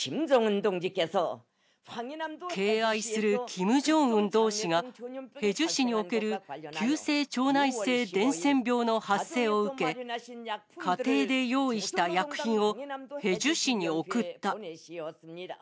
敬愛するキム・ジョンウン同志が、ヘジュ市における急性腸内性伝染病の発生を受け、家庭で用意した薬品をヘジュ市に送った。